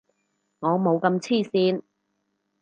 我冇咁黐線